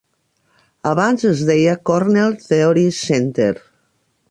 Abans es deia Cornell Theory Center.